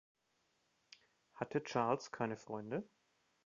Hatte Charles keine Freunde?